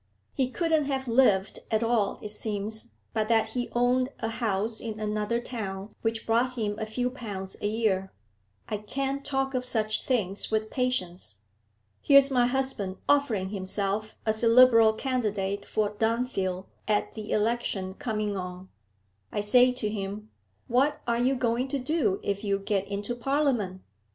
He couldn't have lived at all, it seems, but that he owned a house in another town, which brought him a few pounds a year. I can't talk of such things with patience. Here's my husband offering himself as a Liberal candidate for Dunfield at the election coming on. I say to him: What are you going to do if you get into Parliament?